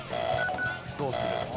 どうする？